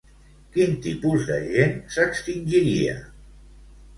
Quin tipus de gent s'extingiria?